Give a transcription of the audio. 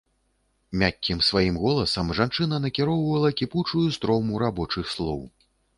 Мяккім сваім голасам жанчына накіроўвала кіпучую строму рабочых слоў.